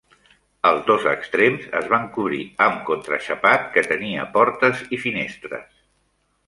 Els dos extrems es van cobrir amb contraxapat, que tenia portes i finestres.